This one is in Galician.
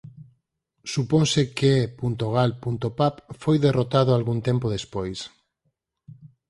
Suponse que E.gal.pap foi derrotado algún tempo despois.